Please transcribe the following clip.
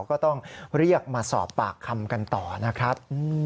ก็ต้องเรียกมาสอบปากคำกันต่อนะครับ